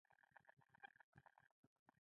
تقریباً ماښام وو چې لاندې راغلو، او هلته ورسېدو.